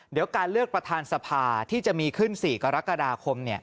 เดี๋ยวการเลือกประธานสภาที่จะมีขึ้น๔กรกฎาคม